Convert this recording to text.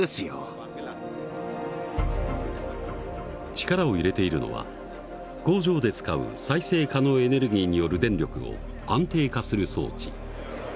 力を入れているのは工場で使う再生可能エネルギーによる電力を安定化する装置。